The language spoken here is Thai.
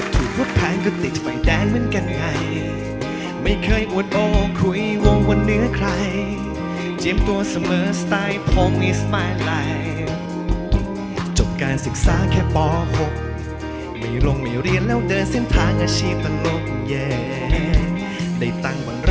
ตัดใหม่อีกครั้งหนึ่ง